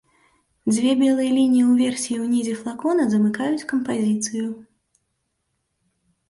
Дзве белыя лініі ўверсе і ўнізе флакона замыкаюць кампазіцыю.